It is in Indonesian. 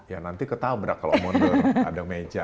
ya nanti ketabrak kalau model ada meja